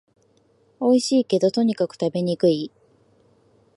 おいしいけど、とにかく食べにくい